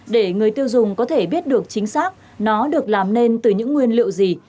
để người tiêu dùng có thể biết được chính xác nó được làm nên từ những nguyên liệu gì